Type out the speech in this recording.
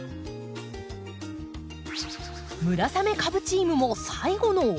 村雨・カブチームも最後の追い込み。